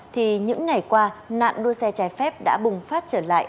thì những ngày qua nạn đua xe trái phép đã bùng phát trở lại